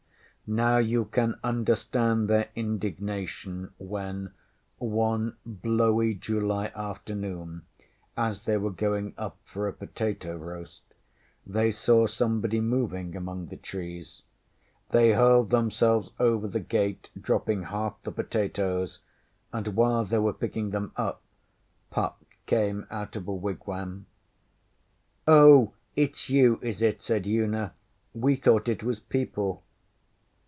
ŌĆÖ Now you can understand their indignation when, one blowy July afternoon, as they were going up for a potato roast, they saw somebody moving among the trees. They hurled themselves over the gate, dropping half the potatoes, and while they were picking them up Puck came out of a wigwam. ŌĆśOh, itŌĆÖs you, is it? ŌĆÖ said Una. ŌĆśWe thought it was people.